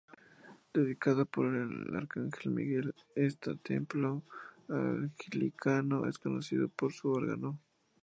Dedicada por el arcángel Miguel, esta templo anglicano es conocido por su órgano.